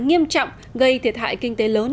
nghiêm trọng gây thiệt hại kinh tế lớn